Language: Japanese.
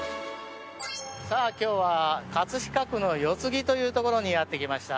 今日は葛飾区の四つ木というところにやってきました。